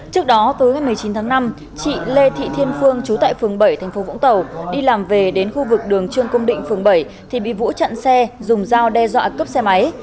chị lê thị thiên phương trú tại phường bảy tp vũng tàu đi làm về đến khu vực đường trương công định phường bảy thì bị vũ chặn xe dùng dao đe dọa cấp xe máy